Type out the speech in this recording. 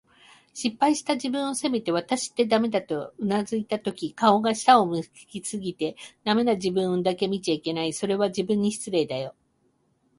失敗した自分を責めて、「わたしってダメだ」と俯いたとき、顔が下を向き過ぎて、“ダメ”な自分だけ見ちゃいけない。それは、自分に失礼だよ。